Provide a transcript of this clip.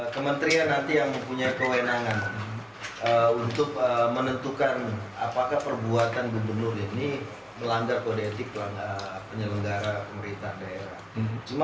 kementerian nanti yang mempunyai kewenangan untuk menentukan apakah perbuatan gubernur ini melanggar kode etik penyelenggara pemerintah daerah